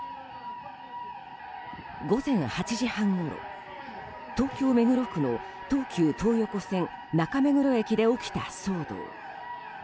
午前８時半ごろ、東京・目黒区の東急東横線中目黒駅で起きた騒動。